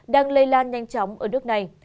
đang lây lan nhanh chóng ở nước này